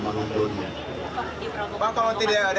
apakah juga yang diambil cuma barang sedikit itu